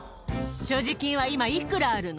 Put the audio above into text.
所持金は今、いくらあるの？